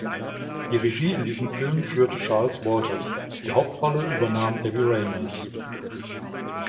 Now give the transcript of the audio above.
Die Regie in diesem Film führte Charles Walters, die Hauptrolle übernahm Debbie Reynolds.